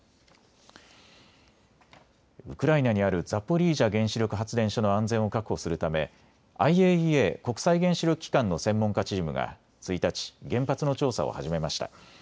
ウクライナにあるザポリージャ原子力発電所の安全を確保するためＩＡＥＡ・国際原子力機関の専門家チームが１日、原発の調査を始めました。